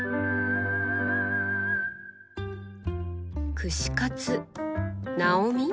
「串カツなおみ」？